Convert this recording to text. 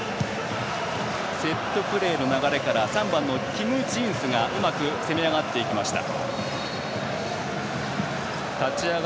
セットプレーの流れから３番のキム・ジンスがうまく攻め上がっていきました。